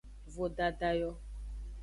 Vodada yo.